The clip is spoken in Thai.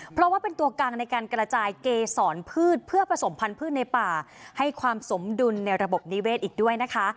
เพราะว่าเป็นตัวกลางในการกระจายเกษรพืชเพื่อผสมพันธุ์ในป่าให้ความสมดุลในระบบนิเวศอีกด้วยนะคะ